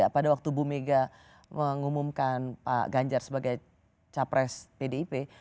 pada waktu bu mega mengumumkan pak ganjar sebagai capres pdip